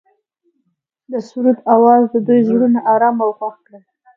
د سرود اواز د دوی زړونه ارامه او خوښ کړل.